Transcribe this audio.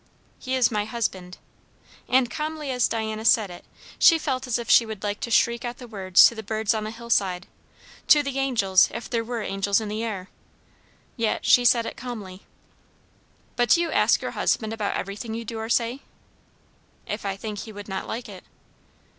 "He is my husband." And calmly as Diana said it, she felt as if she would like to shriek out the words to the birds on the hillside to the angels, if there were angels in the air. Yet she said it calmly. "But do you ask your husband about everything you do or say?" "If I think he would not like it."